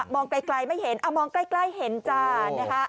มองใกล้ไม่เห็นมองใกล้เห็นจ้า